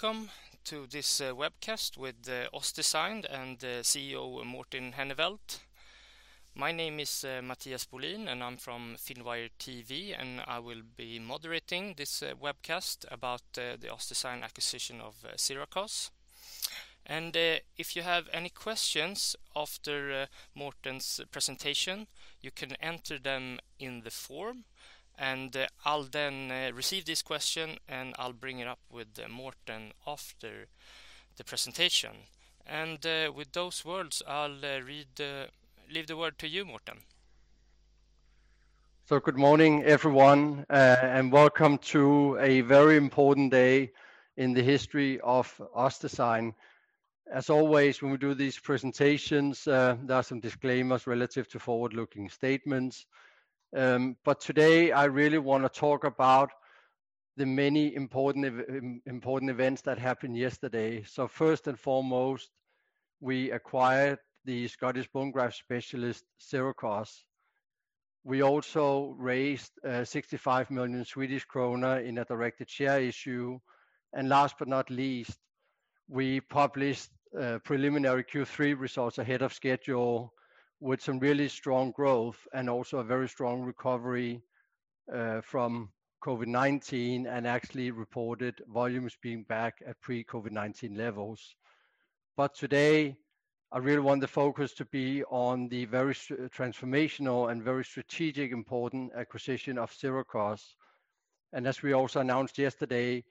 Good morning, welcome to this webcast with OssDsign and CEO Morten Henneveld. My name is Mattias Bolin, and I'm from Finwire TV, and I will be moderating this webcast about the OssDsign acquisition of Sirakoss. If you have any questions after Morten's presentation, you can enter them in the form, and I'll then receive this question, and I'll bring it up with Morten after the presentation. With those words, I'll leave the word to you, Morten. Good morning, everyone, and welcome to a very important day in the history of OssDsign. As always, when we do these presentations, there are some disclaimers relative to forward-looking statements. Today, I really want to talk about the many important events that happened yesterday. First and foremost, we acquired the Scottish bone graft specialist, Sirakoss. We also raised 65 million Swedish krona in a directed share issue. Last but not least, we published preliminary Q3 results ahead of schedule with some really strong growth and also a very strong recovery from COVID-19 and actually reported volumes being back at pre-COVID-19 levels. Today, I really want the focus to be on the very transformational and very strategic important acquisition of Sirakoss. As we also announced yesterday,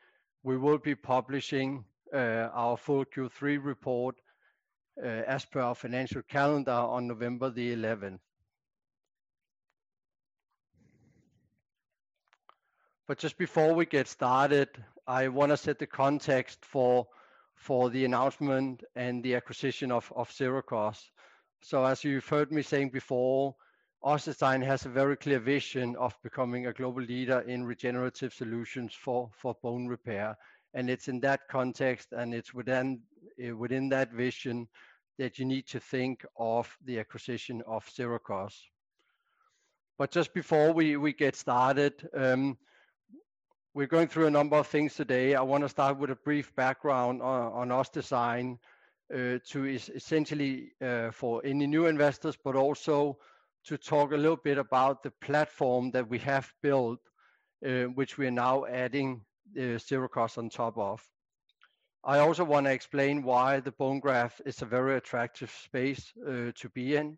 we will be publishing our full Q3 report as per our financial calendar on November 11th. Just before we get started, I want to set the context for the announcement and the acquisition of Sirakoss. As you've heard me saying before, OssDsign has a very clear vision of becoming a global leader in regenerative solutions for bone repair. It's in that context, and it's within that vision that you need to think of the acquisition of Sirakoss. Just before we get started, we're going through a number of things today. I want to start with a brief background on OssDsign to essentially for any new investors, but also to talk a little bit about the platform that we have built, which we are now adding Sirakoss on top of. I also want to explain why the bone graft is a very attractive space to be in.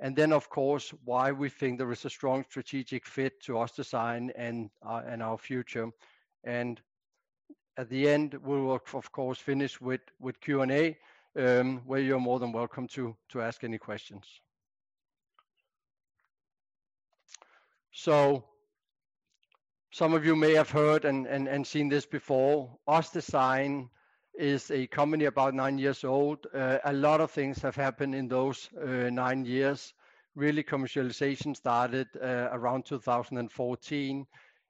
Of course, why we think there is a strong strategic fit to OssDsign and our future. At the end, we will, of course, finish with Q&A, where you're more than welcome to ask any questions. Some of you may have heard and seen this before. OssDsign is a company about nine years old. A lot of things have happened in those nine years. Commercialization started around 2014,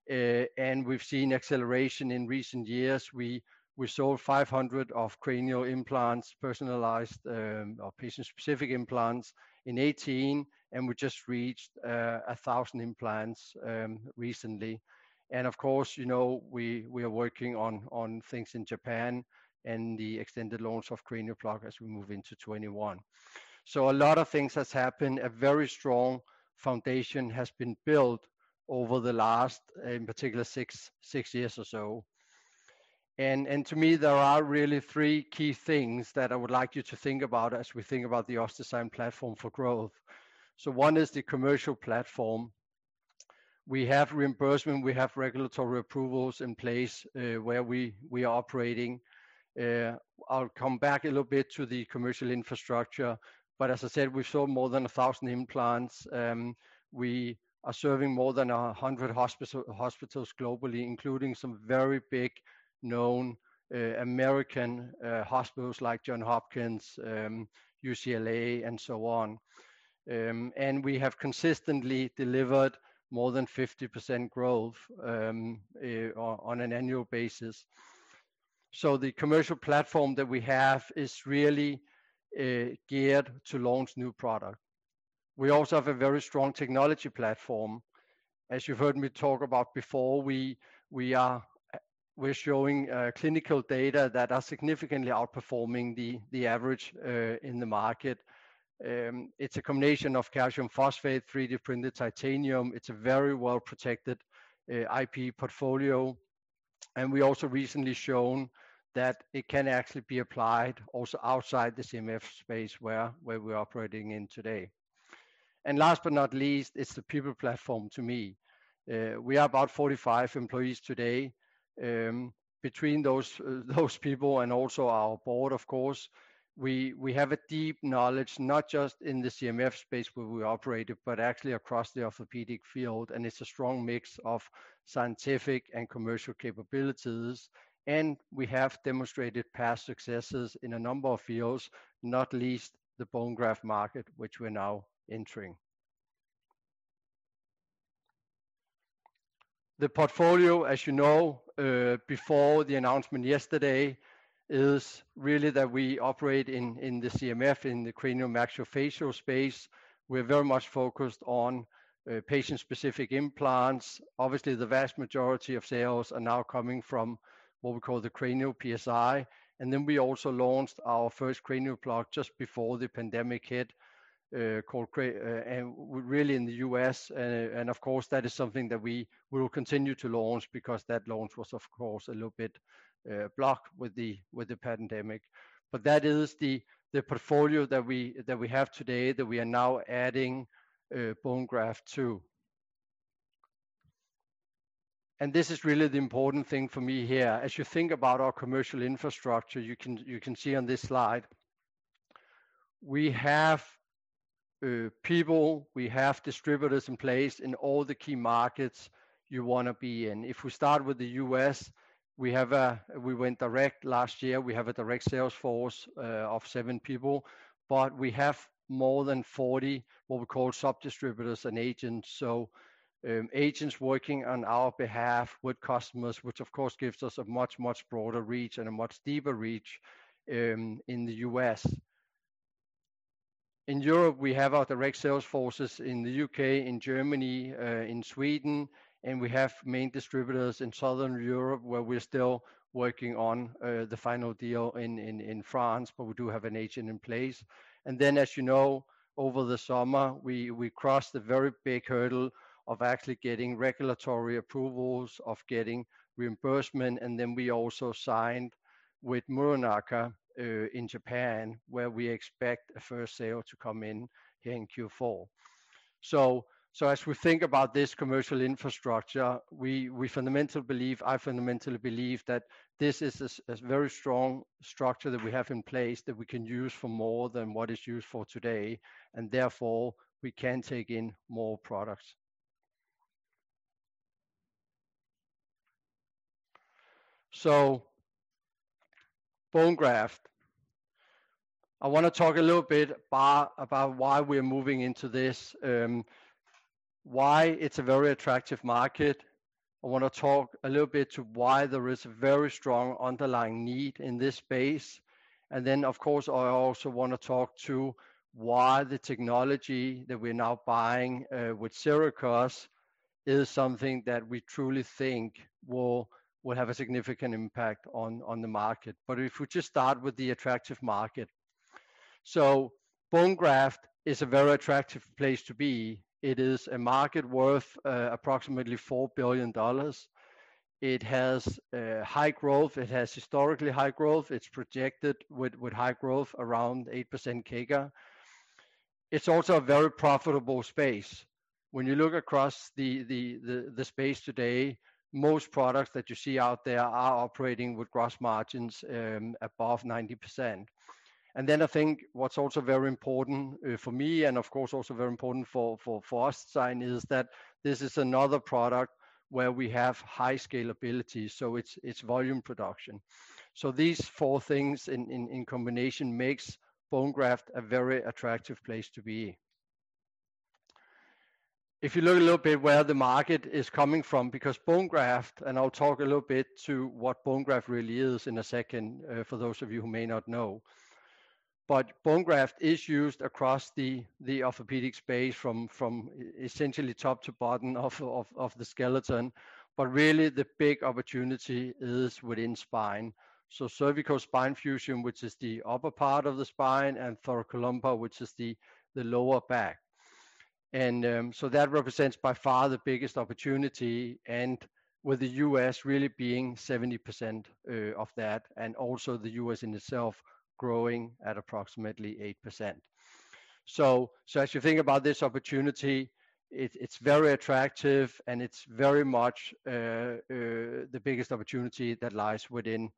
and we've seen acceleration in recent years. We sold 500 of cranial implants, personalized or patient-specific implants in 2018, and we just reached 1,000 implants recently. Of course, we are working on things in Japan and the extended launch of CranioPlug as we move into 2021. A lot of things has happened. A very strong foundation has been built over the last, in particular, six years or so. To me, there are really three key things that I would like you to think about as we think about the OssDsign platform for growth. One is the commercial platform. We have reimbursement, we have regulatory approvals in place where we are operating. I'll come back a little bit to the commercial infrastructure. As I said, we've sold more than 1,000 implants. We are serving more than 100 hospitals globally, including some very big known American hospitals like Johns Hopkins, UCLA, and so on. We have consistently delivered more than 50% growth on an annual basis. The commercial platform that we have is really geared to launch new product. We also have a very strong technology platform. As you've heard me talk about before, we're showing clinical data that are significantly outperforming the average in the market. It's a combination of calcium phosphate, 3D-printed titanium. It's a very well-protected IP portfolio. We also recently shown that it can actually be applied also outside the CMF space where we're operating in today. Last but not least, it's the people platform to me. We are about 45 employees today. Between those people and also our board, of course, we have a deep knowledge, not just in the CMF space where we operate, but actually across the orthopedic field. It's a strong mix of scientific and commercial capabilities. We have demonstrated past successes in a number of fields, not least the bone graft market, which we're now entering. The portfolio, as you know, before the announcement yesterday, is really that we operate in the CMF, in the craniomaxillofacial space. We're very much focused on patient-specific implants. Obviously, the vast majority of sales are now coming from what we call the Cranio PSI. Then we also launched our first cranial implant just before the pandemic hit, and really in the U.S. Of course, that is something that we will continue to launch because that launch was, of course, a little bit blocked with the pandemic. That is the portfolio that we have today that we are now adding bone graft to. This is really the important thing for me here. As you think about our commercial infrastructure, you can see on this slide, we have people, we have distributors in place in all the key markets you want to be in. If we start with the U.S., we went direct last year. We have a direct sales force of seven people. We have more than 40, what we call sub-distributors and agents. Agents working on our behalf with customers, which of course gives us a much, much broader reach and a much deeper reach in the U.S. In Europe, we have our direct sales forces in the U.K., in Germany, in Sweden, and we have main distributors in Southern Europe, where we're still working on the final deal in France, but we do have an agent in place. Then, as you know, over the summer, we crossed a very big hurdle of actually getting regulatory approvals, of getting reimbursement, and then we also signed with Muranaka in Japan, where we expect a first sale to come in here in Q4. As we think about this commercial infrastructure, we fundamentally believe, I fundamentally believe that this is a very strong structure that we have in place that we can use for more than what is used for today, and therefore, we can take in more products. Bone graft. I want to talk a little bit about why we're moving into this, why it's a very attractive market. I want to talk a little bit to why there is a very strong underlying need in this space. Of course, I also want to talk to why the technology that we're now buying with Sirakoss is something that we truly think will have a significant impact on the market. If we just start with the attractive market. Bone graft is a very attractive place to be. It is a market worth approximately $4 billion. It has high growth. It has historically high growth. It's projected with high growth, around 8% CAGR. It's also a very profitable space. When you look across the space today, most products that you see out there are operating with gross margins above 90%. Then I think what's also very important for me, and of course, also very important for OssDsign is that this is another product where we have high scalability, so it's volume production. These four things in combination makes bone graft a very attractive place to be. If you look a little bit where the market is coming from, because bone graft, and I'll talk a little bit to what bone graft really is in a second for those of you who may not know. Bone graft is used across the orthopedic space from essentially top to bottom of the skeleton. Really the big opportunity is within spine. Cervical spinal fusion, which is the upper part of the spine, and thoracolumbar, which is the lower back. That represents by far the biggest opportunity and with the U.S. really being 70% of that, and also the U.S. in itself growing at approximately 8%. As you think about this opportunity, it's very attractive and it's very much the biggest opportunity that lies within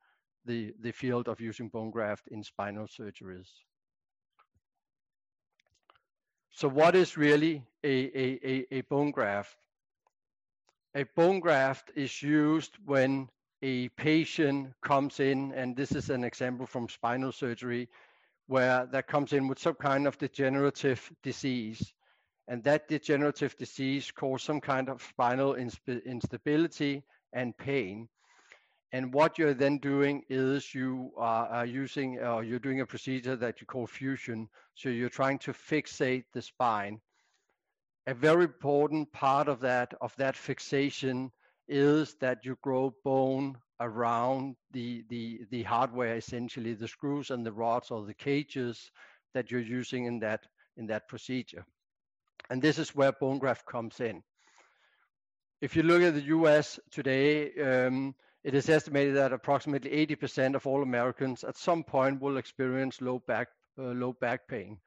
the field of using bone graft in spinal surgeries. What is really a bone graft? A bone graft is used when a patient comes in, and this is an example from spinal surgery, where that comes in with some kind of degenerative disease. That degenerative disease cause some kind of spinal instability and pain. What you're then doing is you are using, or you're doing a procedure that you call fusion. You're trying to fixate the spine. A very important part of that fixation is that you grow bone around the hardware, essentially the screws and the rods or the cages that you're using in that procedure. This is where bone graft comes in. If you look at the U.S. today, it is estimated that approximately 80% of all Americans at some point will experience low back pain.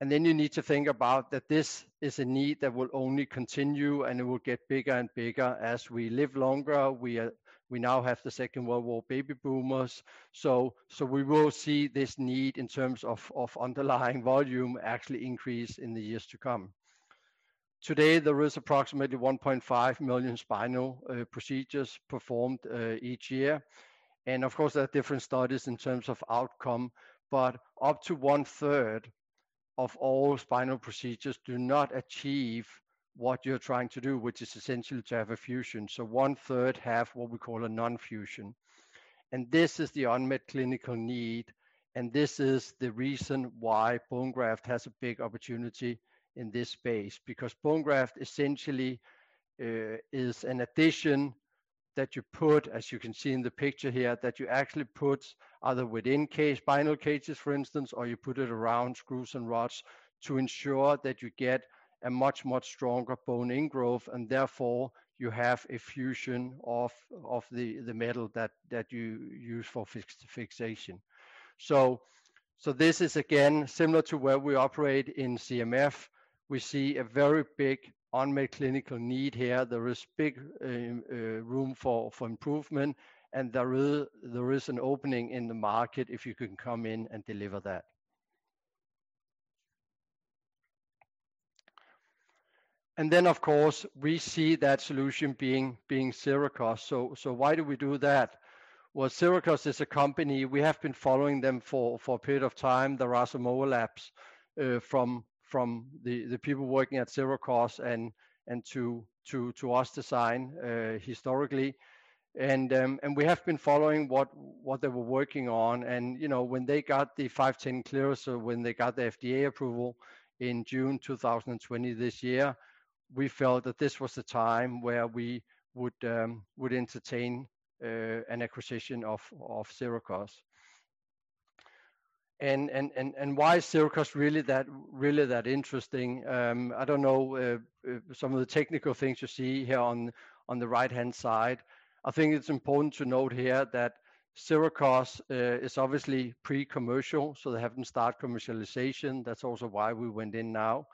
You need to think about that this is a need that will only continue, and it will get bigger and bigger as we live longer. We now have the Second World War baby boomers. We will see this need in terms of underlying volume actually increase in the years to come. Today, there is approximately 1.5 million spinal procedures performed each year. Of course, there are different studies in terms of outcome. Up to 1/3 of all spinal procedures do not achieve what you're trying to do, which is essentially to have a fusion. One third have what we call a non-fusion. This is the unmet clinical need, and this is the reason why bone graft has a big opportunity in this space, because bone graft essentially is an addition that you put, as you can see in the picture here, that you actually put either within spinal cages, for instance, or you put it around screws and rods to ensure that you get a much, much stronger bone ingrowth, and therefore you have a fusion of the metal that you use for fixation. This is, again, similar to where we operate in CMF. We see a very big unmet clinical need here. There is big room for improvement. There is an opening in the market if you can come in and deliver that. Of course, we see that solution being Sirakoss. Why do we do that? Well, Sirakoss is a company. We have been following them for a period of time. There are some overlaps, from the people working at Sirakoss and to OssDsign historically. We have been following what they were working on. When they got the 510(k) clearance or when they got the FDA approval in June 2020 this year, we felt that this was the time where we would entertain an acquisition of Sirakoss. Why is Sirakoss really that interesting? I don't know some of the technical things you see here on the right-hand side. I think it's important to note here that Sirakoss is obviously pre-commercial, so they haven't start commercialization. That's also why we went in now.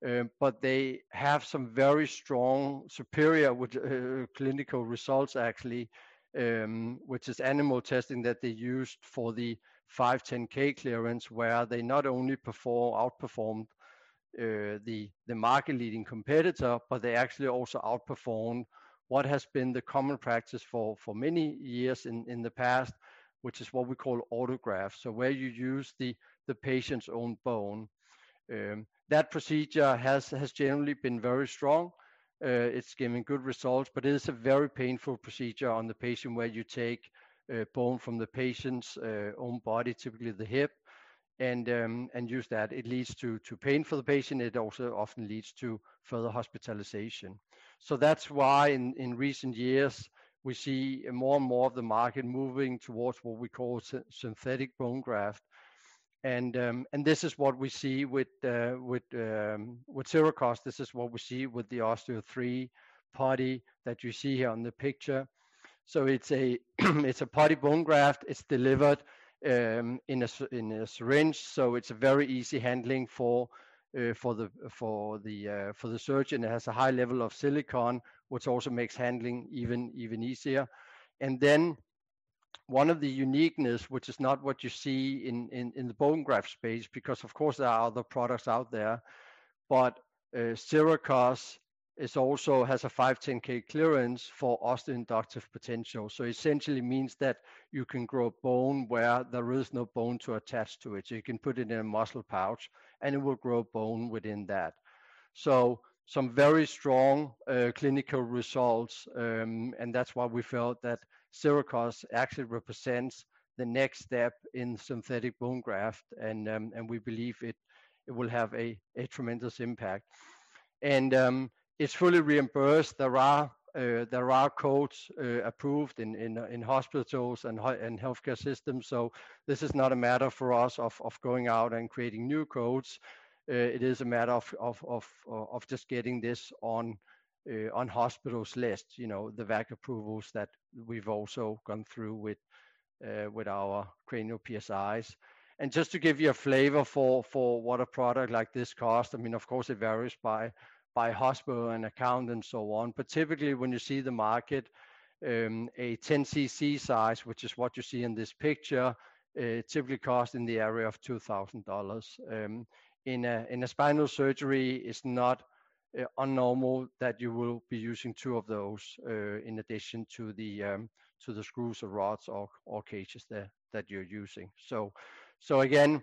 They have some very strong superior clinical results actually, which is animal testing that they used for the 510(k) clearance, where they not only outperformed the market-leading competitor, but they actually also outperformed what has been the common practice for many years in the past, which is what we call autograft. Where you use the patient's own bone. That procedure has generally been very strong. It's giving good results, but it is a very painful procedure on the patient where you take bone from the patient's own body, typically the hip, and use that. It leads to pain for the patient. It also often leads to further hospitalization. That's why in recent years, we see more and more of the market moving towards what we call synthetic bone graft. This is what we see with Sirakoss. This is what we see with the Osteo3 putty that you see here on the picture. It's a putty bone graft. It's delivered in a syringe, so it's a very easy handling for the surgeon. It has a high level of silicon, which also makes handling even easier. One of the uniqueness, which is not what you see in the bone graft space, because of course there are other products out there, but Sirakoss also has a 510(k) clearance for osteoinductive potential. Essentially means that you can grow bone where there is no bone to attach to it. You can put it in a muscle pouch, and it will grow bone within that. Some very strong clinical results, and that's why we felt that Sirakoss actually represents the next step in synthetic bone graft, and we believe it will have a tremendous impact. It's fully reimbursed. There are codes approved in hospitals and healthcare systems. So this is not a matter for us of going out and creating new codes. It is a matter of just getting this on hospitals lists, the VAC approvals that we've also gone through with our cranial PSIs. Just to give you a flavor for what a product like this cost, of course, it varies by hospital and account and so on. But typically, when you see the market, a 10 cc size, which is what you see in this picture, it typically cost in the area of $2,000. In a spinal surgery, it's not uncommon that you will be using two of those, in addition to the screws or rods or cages that you're using. So again,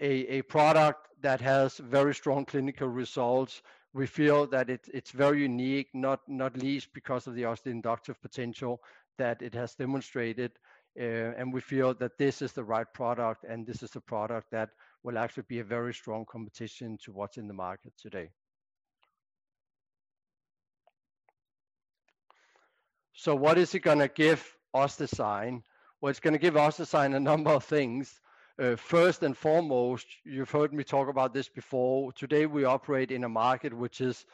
a product that has very strong clinical results. We feel that it's very unique, not least because of the osteoinductive potential that it has demonstrated. We feel that this is the right product, and this is a product that will actually be a very strong competition to what's in the market today. What is it going to give OssDsign? Well, it's going to give OssDsign a number of things. First and foremost, you've heard me talk about this before. Today we operate in a market which is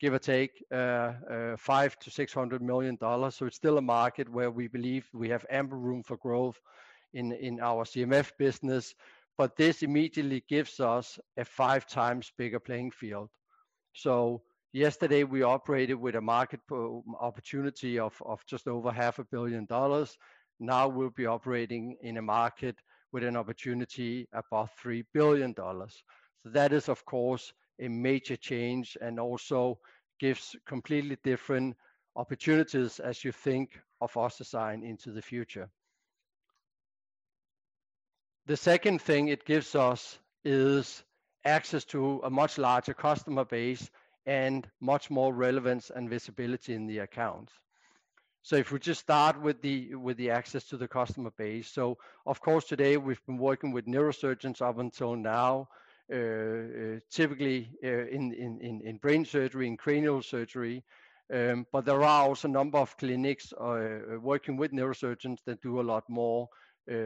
give or take $500 million-$600 million. It's still a market where we believe we have ample room for growth in our CMF business, but this immediately gives us a 5x bigger playing field. Yesterday we operated with a market opportunity of just over $500 million. Now we'll be operating in a market with an opportunity above $3 billion. That is, of course, a major change and also gives completely different opportunities as you think of OssDsign into the future. The second thing it gives us is access to a much larger customer base and much more relevance and visibility in the accounts. If we just start with the access to the customer base. Of course today, we've been working with neurosurgeons up until now, typically in brain surgery, in cranial surgery. There are also a number of clinics working with neurosurgeons that do a lot more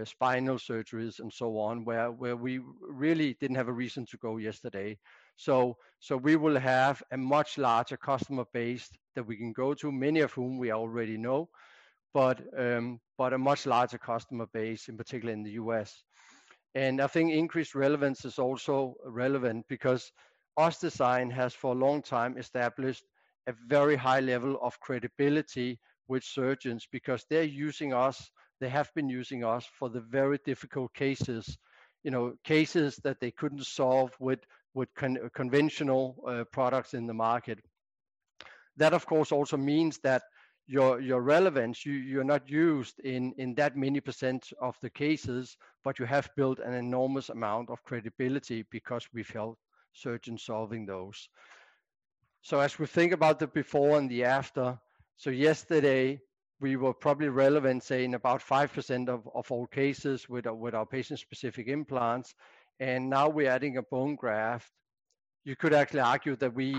spinal surgeries and so on, where we really didn't have a reason to go yesterday. We will have a much larger customer base that we can go to, many of whom we already know, but a much larger customer base, in particular in the U.S. I think increased relevance is also relevant because OssDsign has for a long time established a very high level of credibility with surgeons because they're using us, they have been using us for the very difficult cases that they couldn't solve with conventional products in the market. That of course also means that your relevance, you're not used in that many percent of the cases, but you have built an enormous amount of credibility because we've helped surgeons solving those. As we think about the before and the after, yesterday we were probably relevant, say in about 5% of all cases with our patient-specific implants, and now we're adding a bone graft. You could actually argue that we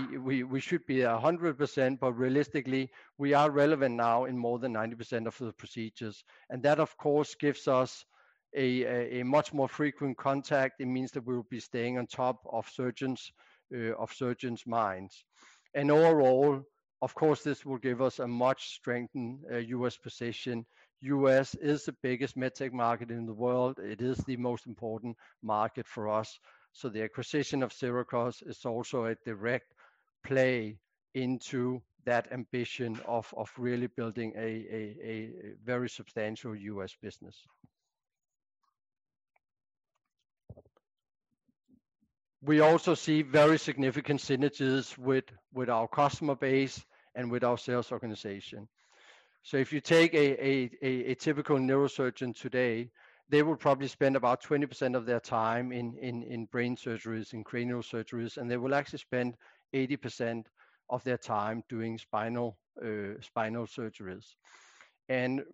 should be at 100%, but realistically, we are relevant now in more than 90% of the procedures. That of course gives us a much more frequent contact. It means that we will be staying on top of surgeons' minds. Overall, of course, this will give us a much strengthened U.S. position. U.S. is the biggest medtech market in the world. It is the most important market for us. The acquisition of Sirakoss is also a direct play into that ambition of really building a very substantial U.S. business. We also see very significant synergies with our customer base and with our sales organization. If you take a typical neurosurgeon today, they will probably spend about 20% of their time in brain surgeries, in cranial surgeries, and they will actually spend 80% of their time doing spinal surgeries.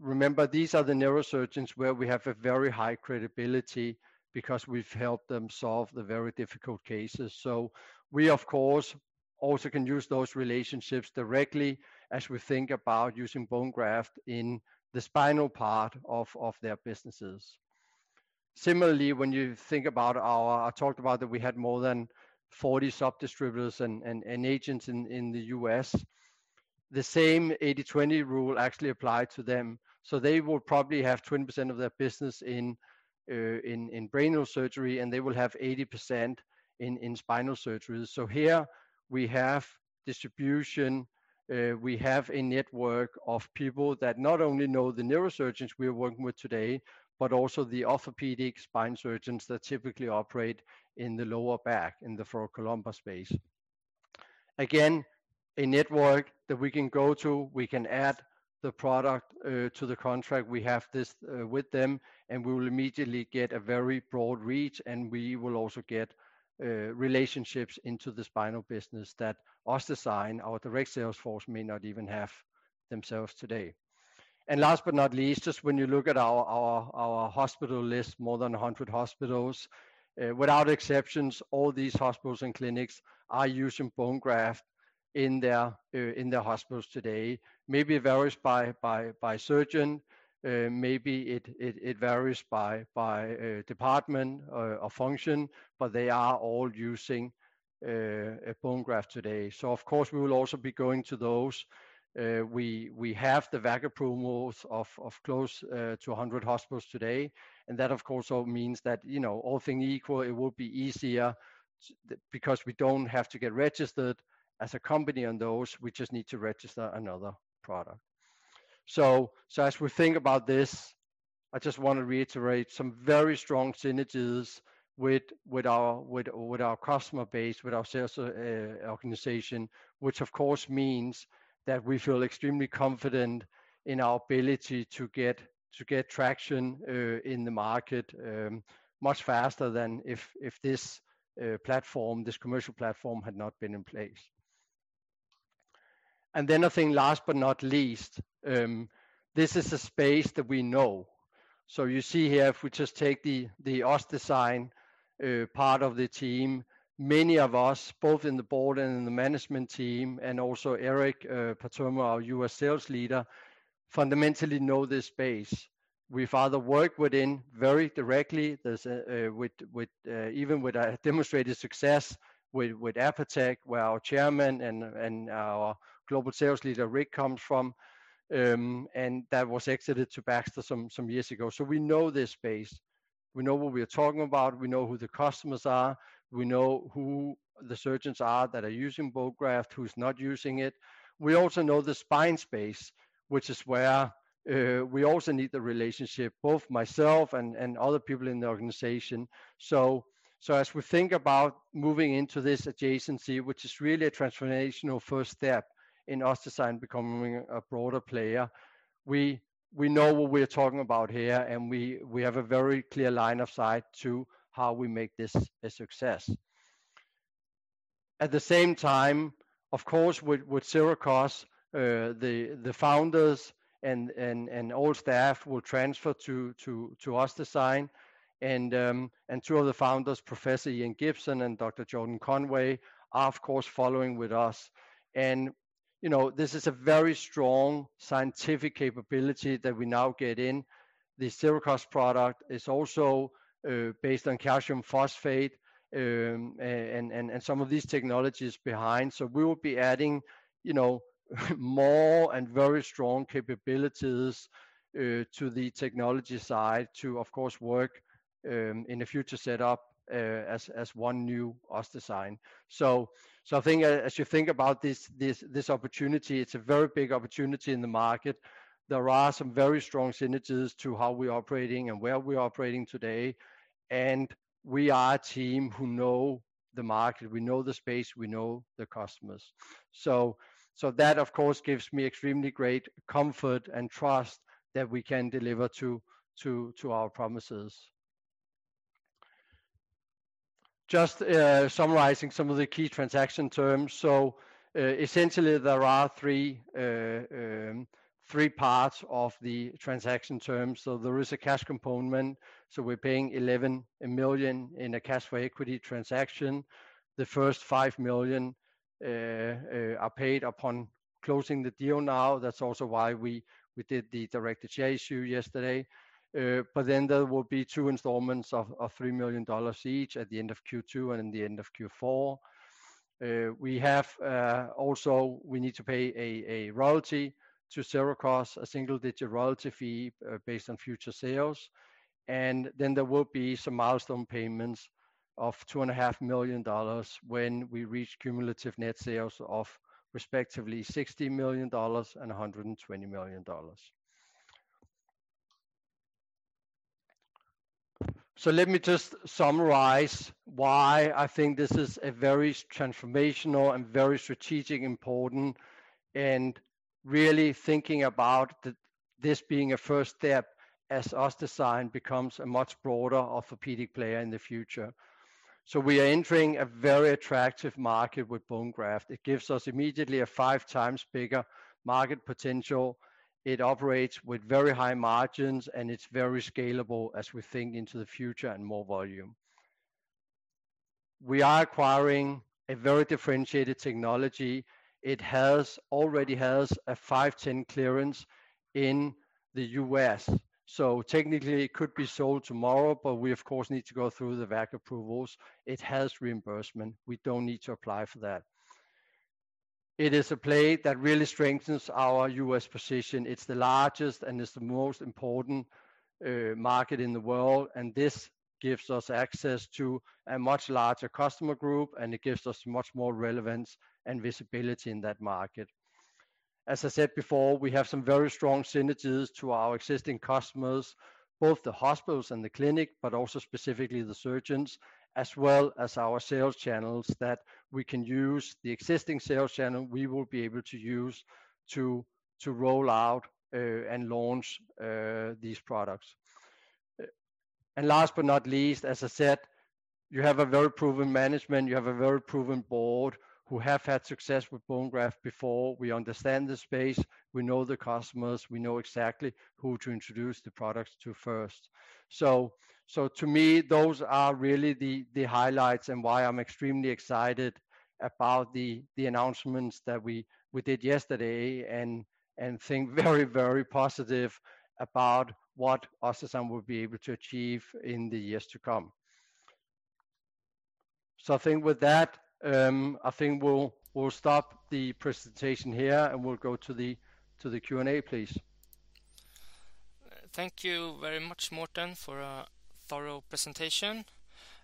Remember, these are the neurosurgeons where we have a very high credibility because we've helped them solve the very difficult cases. We of course, also can use those relationships directly as we think about using bone graft in the spinal part of their businesses. Similarly, when you think about I talked about that we had more than 40 sub-distributors and agents in the U.S. The same 80/20 rule actually applied to them. They will probably have 20% of their business in cranial surgery, and they will have 80% in spinal surgeries. Here we have distribution. We have a network of people that not only know the neurosurgeons we are working with today, but also the orthopedic spine surgeons that typically operate in the lower back, in the thoracolumbar space. Again, a network that we can go to, we can add the product to the contract. We have this with them, and we will immediately get a very broad reach, and we will also get relationships into the spinal business that OssDsign, our direct sales force, may not even have themselves today. Last but not least, just when you look at our hospital list, more than 100 hospitals. Without exceptions, all these hospitals and clinics are using bone graft in their hospitals today. Maybe it varies by surgeon, maybe it varies by department or function, but they are all using a bone graft today. Of course, we will also be going to those. We have the VAC approvals of close to 100 hospitals today. That, of course, also means that all things equal, it will be easier because we don't have to get registered as a company on those. We just need to register another product. As we think about this, I just want to reiterate some very strong synergies with our customer base, with our sales organization, which of course means that we feel extremely confident in our ability to get traction in the market much faster than if this commercial platform had not been in place. I think last but not least, this is a space that we know. You see here, if we just take the OssDsign part of the team, many of us, both in the board and in the management team, and also Eric Patermo, our U.S. Sales Leader, fundamentally know this space. We've either worked within very directly, even with a demonstrated success with ApaTech, where our Chairman and our Global Sales Leader, Rick, comes from, and that was exited to Baxter some years ago. We know this space. We know what we are talking about. We know who the customers are. We know who the surgeons are that are using bone graft, who's not using it. We also know the spine space, which is where we also need the relationship, both myself and other people in the organization. As we think about moving into this adjacency, which is really a transformational first step in OssDsign becoming a broader player, we know what we're talking about here, and we have a very clear line of sight to how we make this a success. At the same time, of course, with Sirakoss, the founders and all staff will transfer to OssDsign, and two of the founders, Professor Iain Gibson and Dr. Jordan Conway, are, of course, following with us. This is a very strong scientific capability that we now get in. The Sirakoss product is also based on calcium phosphate and some of these technologies behind. We will be adding more and very strong capabilities to the technology side to, of course, work in the future set up as one new OssDsign. I think as you think about this opportunity, it's a very big opportunity in the market. There are some very strong synergies to how we're operating and where we're operating today, and we are a team who know the market, we know the space, we know the customers. That, of course, gives me extremely great comfort and trust that we can deliver to our promises. Just summarizing some of the key transaction terms. Essentially, there are three parts of the transaction terms. There is a cash component. We're paying $11 million in a cash for equity transaction. The first $5 million are paid upon closing the deal now. That's also why we did the directed share issue yesterday. There will be two installments of $3 million each at the end of Q2 and the end of Q4. We need to pay a royalty to Sirakoss, a single-digit royalty fee based on future sales. There will be some milestone payments of $2.5 million when we reach cumulative net sales of respectively $60 million and $120 million. Let me just summarize why I think this is a very transformational and very strategic important, and really thinking about this being a first step as OssDsign becomes a much broader orthopedic player in the future. We are entering a very attractive market with bone graft. It gives us immediately a 5x bigger market potential. It operates with very high margins, and it's very scalable as we think into the future and more volume. We are acquiring a very differentiated technology. It already has a 510(k) clearance in the U.S., so technically it could be sold tomorrow, but we of course need to go through the VAC approvals. It has reimbursement. We don't need to apply for that. It is a play that really strengthens our U.S. position. It's the largest and it's the most important market in the world, and this gives us access to a much larger customer group, and it gives us much more relevance and visibility in that market. As I said before, we have some very strong synergies to our existing customers, both the hospitals and the clinic, but also specifically the surgeons, as well as our sales channels that we can use. The existing sales channel we will be able to use to roll out and launch these products. Last but not least, as I said, you have a very proven management. You have a very proven board who have had success with bone graft before. We understand the space. We know the customers. We know exactly who to introduce the products to first. To me, those are really the highlights and why I'm extremely excited about the announcements that we did yesterday and think very positive about what OssDsign will be able to achieve in the years to come. I think with that, I think we'll stop the presentation here, and we'll go to the Q&A, please. Thank you very much, Morten, for a thorough presentation.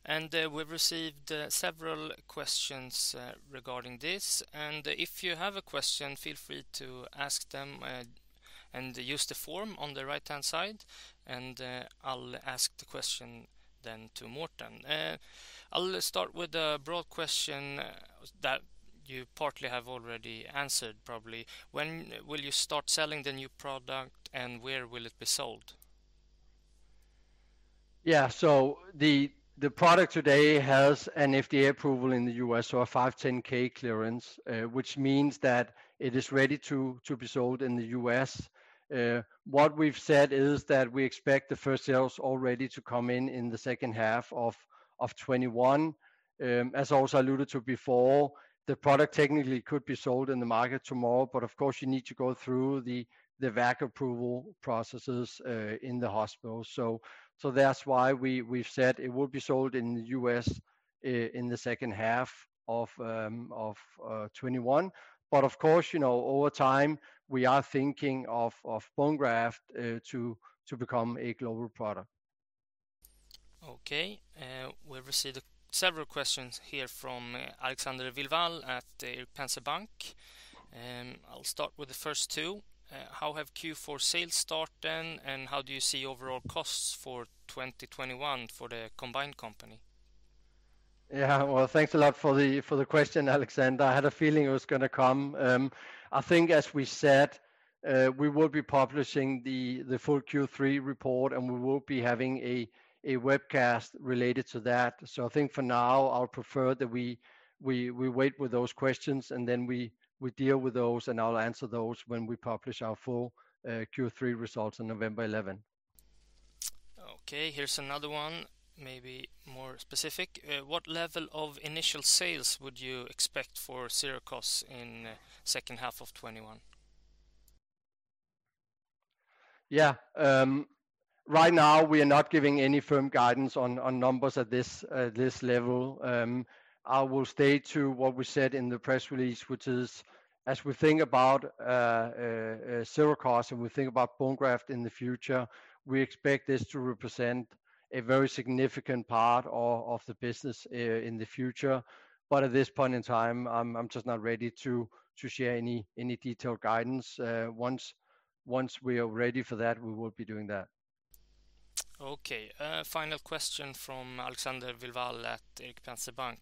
We've received several questions regarding this. If you have a question, feel free to ask them and use the form on the right-hand side, and I'll ask the question then to Morten. I'll start with a broad question that you partly have already answered, probably. When will you start selling the new product, and where will it be sold? Yeah. The product today has an FDA approval in the U.S., a 510(k) clearance, which means that it is ready to be sold in the U.S. What we've said is that we expect the first sales already to come in in the second half of 2021. As I also alluded to before, the product technically could be sold in the market tomorrow, but of course, you need to go through the VAC approval processes in the hospital. That's why we've said it will be sold in the U.S. in the second half of 2021. Of course, over time, we are thinking of bone graft to become a global product. Okay. We've received several questions here from Alexander Vilstrup at DNB Bank. I'll start with the first two. How have Q4 sales started? How do you see overall costs for 2021 for the combined company? Yeah. Well, thanks a lot for the question, Alexander. I had a feeling it was going to come. I think as we said, we will be publishing the full Q3 report, and we will be having a webcast related to that. I think for now, I'll prefer that we wait with those questions, and then we deal with those, and I'll answer those when we publish our full Q3 results on November 11. Okay. Here's another one, maybe more specific. What level of initial sales would you expect for Sirakoss in second half of 2021? Right now, we are not giving any firm guidance on numbers at this level. I will stay to what we said in the press release, which is, as we think about Sirakoss and we think about bone graft in the future, we expect this to represent a very significant part of the business in the future. At this point in time, I'm just not ready to share any detailed guidance. Once we are ready for that, we will be doing that. Okay. Final question from Alexander Vilstrup at DNB Bank.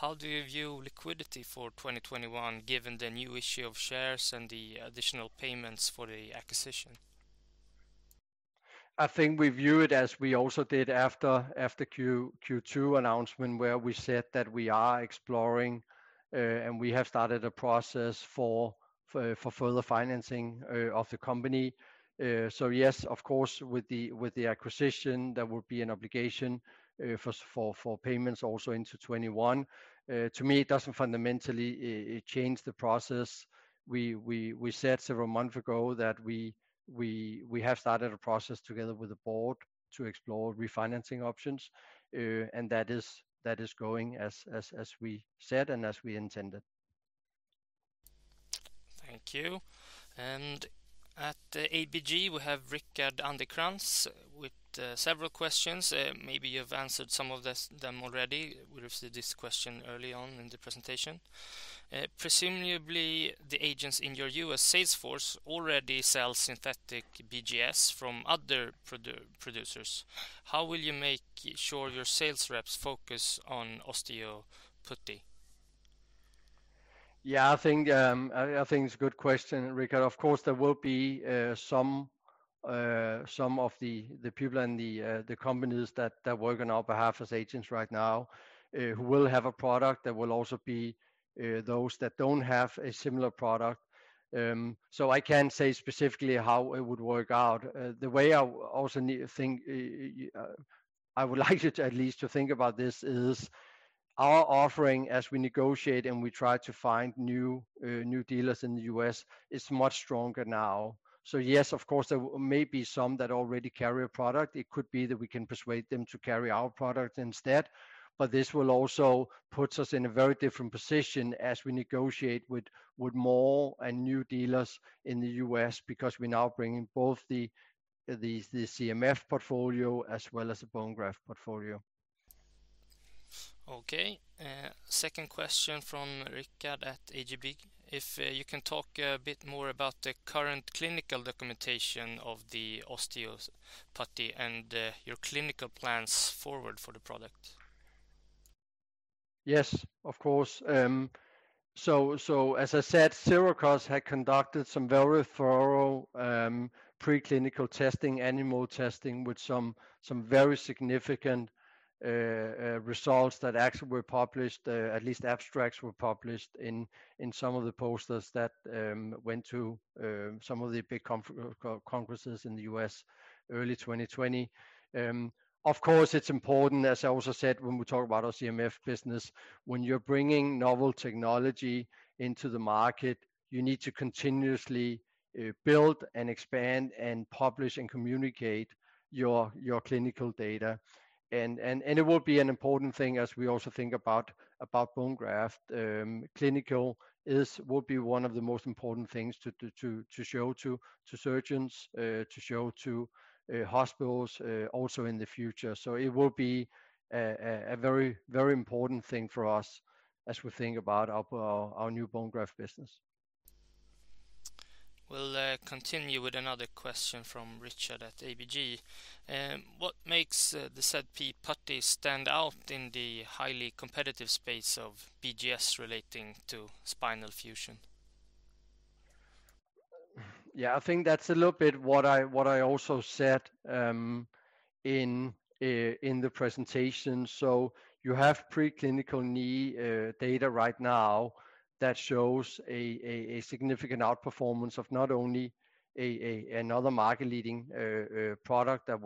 How do you view liquidity for 2021, given the new issue of shares and the additional payments for the acquisition? I think we view it as we also did after Q2 announcement, where we said that we are exploring, and we have started a process for further financing of the company. Yes, of course, with the acquisition, there will be an obligation for payments also into 2021. To me, it doesn't fundamentally change the process. We said several months ago that we have started a process together with the board to explore refinancing options, that is going as we said and as we intended. Thank you. At ABG, we have Rickard Anderkrans with several questions. Maybe you've answered some of them already. We received this question early on in the presentation. Presumably, the agents in your U.S. sales force already sell synthetic BGS from other producers. How will you make sure your sales reps focus on OsteoPutty? Yeah, I think it's a good question, Rickard. Of course, there will be some of the people in the companies that work on our behalf as agents right now who will have a product. There will also be those that don't have a similar product. I can't say specifically how it would work out. The way I would like you to at least to think about this is our offering as we negotiate and we try to find new dealers in the U.S. is much stronger now. Yes, of course, there may be some that already carry a product. It could be that we can persuade them to carry our product instead. This will also puts us in a very different position as we negotiate with more and new dealers in the U.S. because we're now bringing both the CMF portfolio as well as the bone graft portfolio. Okay. Second question from Rickard at ABG. If you can talk a bit more about the current clinical documentation of the OsteoPutty and your clinical plans forward for the product. Yes, of course. As I said, Sirakoss had conducted some very thorough preclinical testing, animal testing with some very significant results that actually were published, at least abstracts were published in some of the posters that went to some of the big congresses in the U.S., early 2020. It is important, as I also said, when we talk about our CMF business, when you are bringing novel technology into the market, you need to continuously build and expand and publish and communicate your clinical data. It will be an important thing as we also think about bone graft. Clinical would be one of the most important things to show to surgeons, to show to hospitals also in the future. It will be a very important thing for us as we think about our new bone graft business. We'll continue with another question from Rickard at ABG. What makes the ZP Putty stand out in the highly competitive space of BGS relating to spinal fusion? Yeah, I think that's a little bit what I also said in the presentation. You have preclinical knee data right now that shows a significant outperformance of not only another market leading product that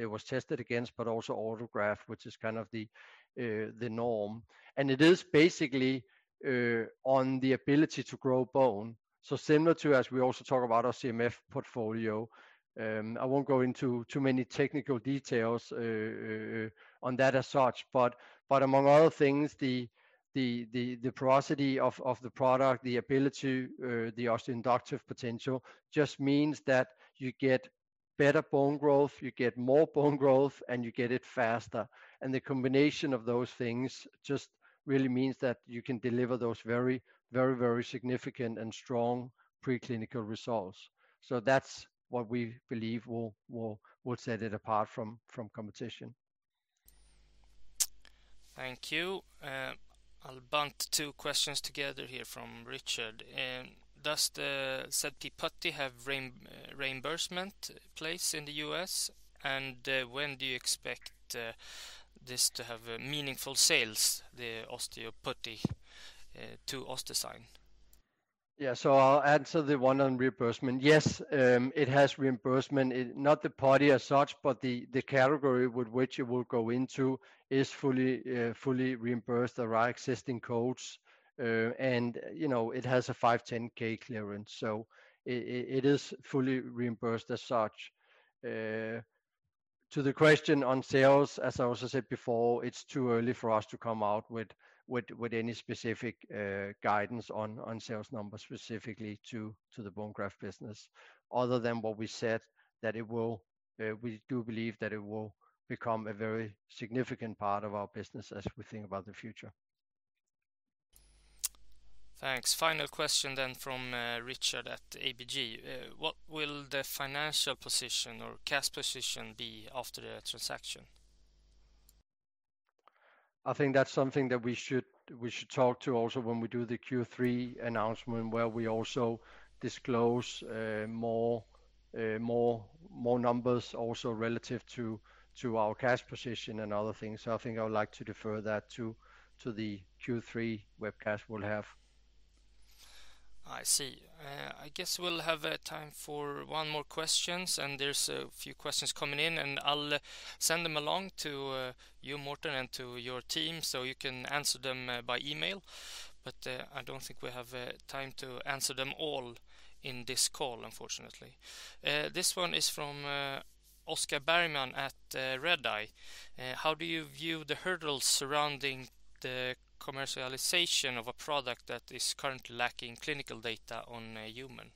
it was tested against, but also autograft, which is kind of the norm. It is basically on the ability to grow bone. Similar to, as we also talk about our CMF portfolio, I won't go into too many technical details on that as such, but among other things, the porosity of the product, the ability, the osteoinductive potential just means that you get better bone growth, you get more bone growth, and you get it faster. The combination of those things just really means that you can deliver those very significant and strong preclinical results. That's what we believe will set it apart from competition. Thank you. I'll bunt two questions together here from Rickard. Does the ZP putty have reimbursement place in the U.S.? When do you expect this to have meaningful sales, the OsteoPutty to OssDsign? Yeah. I'll answer the one on reimbursement. Yes, it has reimbursement. Not the putty as such, but the category with which it will go into is fully reimbursed around existing codes. It has a 510(k) clearance, so it is fully reimbursed as such. To the question on sales, as I also said before, it's too early for us to come out with any specific guidance on sales numbers specifically to the bone graft business, other than what we said, that we do believe that it will become a very significant part of our business as we think about the future. Thanks. Final question then from Rickard at ABG. What will the financial position or cash position be after the transaction? I think that's something that we should talk to also when we do the Q3 announcement, where we also disclose more numbers also relative to our cash position and other things. I think I would like to defer that to the Q3 webcast we'll have. I see. I guess we'll have time for one more questions, and there's a few questions coming in, and I'll send them along to you, Morten, and to your team so you can answer them by email. I don't think we have time to answer them all in this call, unfortunately. This one is from Oscar Bergman at Redeye. How do you view the hurdles surrounding the commercialization of a product that is currently lacking clinical data on a human?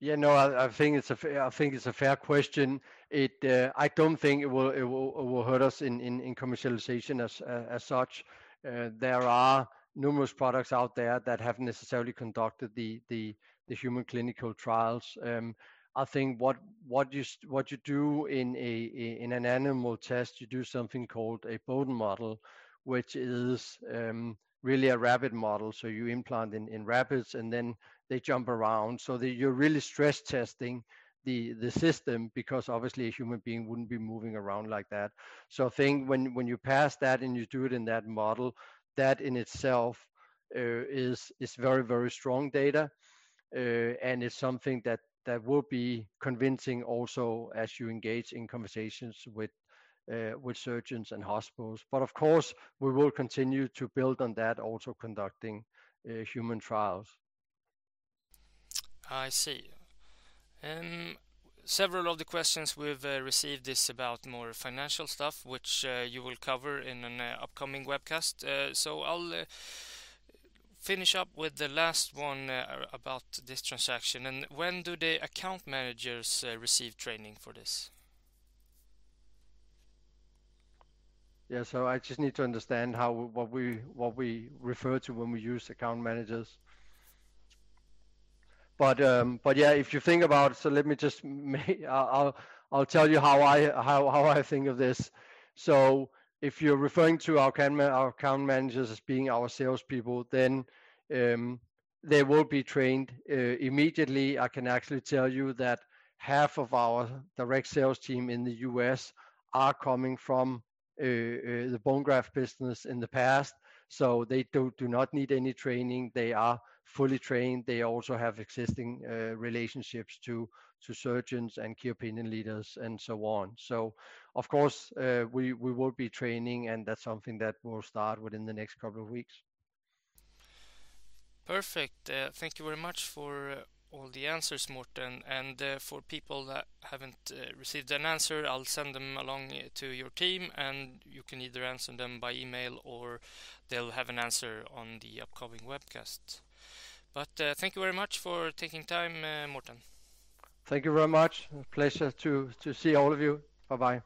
Yeah, no, I think it's a fair question. I don't think it will hurt us in commercialization as such. There are numerous products out there that haven't necessarily conducted the human clinical trials. I think what you do in an animal test, you do something called a Boden model, which is really a rabbit model. You implant in rabbits, and then they jump around. You're really stress testing the system because obviously a human being wouldn't be moving around like that. I think when you pass that and you do it in that model, that in itself is very strong data, and it's something that will be convincing also as you engage in conversations with surgeons and hospitals. Of course, we will continue to build on that, also conducting human trials. I see. Several of the questions we've received is about more financial stuff, which you will cover in an upcoming webcast. I'll finish up with the last one about this transaction then. When do the account managers receive training for this? Yeah. I just need to understand what we refer to when we use account managers. Yeah, if you think about, I'll tell you how I think of this. If you're referring to our account managers as being our salespeople, then they will be trained immediately. I can actually tell you that 1/2 of our direct sales team in the U.S. are coming from the bone graft business in the past, so they do not need any training. They are fully trained. They also have existing relationships to surgeons and key opinion leaders and so on. Of course, we will be training, and that's something that will start within the next couple of weeks. Perfect. Thank you very much for all the answers, Morten. For people that haven't received an answer, I'll send them along to your team, and you can either answer them by email or they'll have an answer on the upcoming webcast. Thank you very much for taking time, Morten. Thank you very much. A pleasure to see all of you. Bye-bye. Bye.